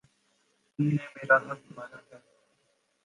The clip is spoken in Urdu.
تم نے میرا حق مارا ہے